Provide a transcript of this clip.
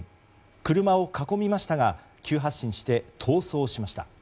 車を囲みましたが急発進して逃走しました。